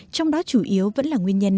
trong đó chủ yếu vẫn là nguyên nhân